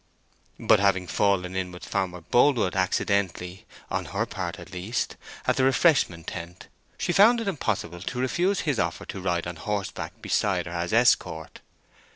But having fallen in with Farmer Boldwood accidentally (on her part at least) at the refreshment tent, she found it impossible to refuse his offer to ride on horseback beside her as escort.